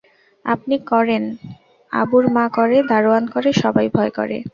আপনি করেন, আবুর মা করে, দারোয়ান করে, সবাই ভয় করে!